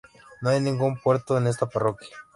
No hay ningún puerto en esta parroquia.